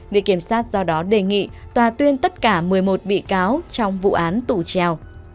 viện kiểm sát do đó đề nghị tòa tuyên tất cả một mươi một bị cáo trong vụ án tù treo